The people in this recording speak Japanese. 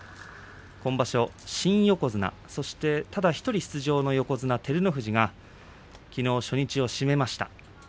今場所、新横綱そしてただ１人出場の横綱照ノ富士がきのう初日を締めました。